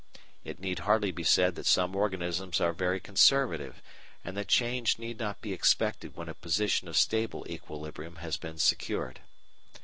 It need hardly be said that some organisms are very conservative, and that change need not be expected when a position of stable equilibrium has been secured.